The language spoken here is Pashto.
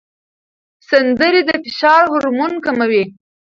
سندرې د فشار هورمون کموي.